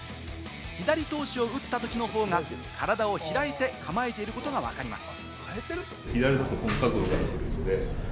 左投手を打ったときの方が体を開いて構えていることがわかります。